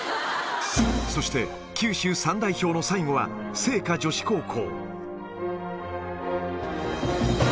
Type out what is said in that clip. そして、九州３代表の最後は、精華女子高校。